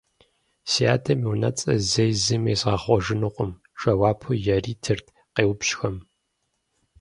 - Си адэм и унэцӀэр зэи зыми езгъэхъуэжынукъым, – жэуапу яритырт къеупщӀхэм.